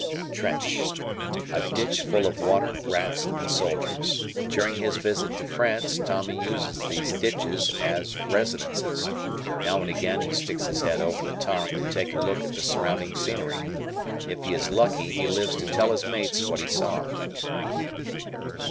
Trench. A ditch full of water, rats, and soldiers. During his visit to France, Tommy uses these ditches as residences. Now and again he sticks his head "over the top" to take a look at the surrounding scenery. If he is lucky he lives to tell his mates what he saw.